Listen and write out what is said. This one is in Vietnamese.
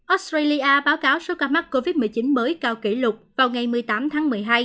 australia báo cáo số ca mắc covid một mươi chín mới cao kỷ lục vào ngày một mươi tám tháng một mươi hai